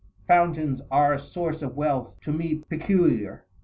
Fountains are A source of wealth to me peculiar.